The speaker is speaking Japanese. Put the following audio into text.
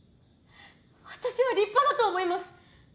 私は立派だと思います。